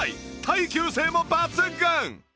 耐久性も抜群！